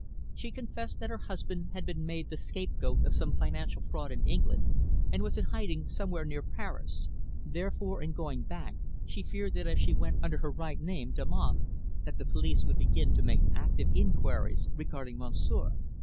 She confessed that her husband had been made the scapegoat of some financial fraud in England and was in hiding somewhere near Paris, therefore, in going back, she feared that if she went under her right name Damant that the police would begin to make active inquiries regarding monsieur.